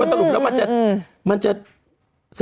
ไม่เข้าใจง่ายไหมสรุป